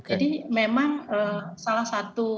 jadi memang salah satu